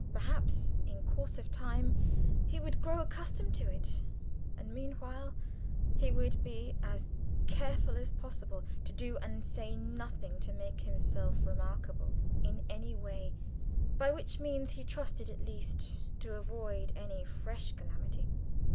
Perhaps, in course of time, he would grow accustomed to it, and, meanwhile, he would be as careful as possible to do and say nothing to make himself remarkable in any way, by which means he trusted, at least, to avoid any fresh calamity.